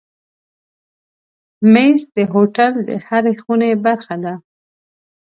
مېز د هوټل د هرې خونې برخه ده.